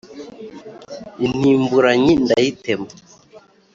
Intimburanyi ndayitema